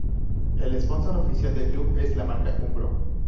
El sponsor oficial del club es la marca Umbro.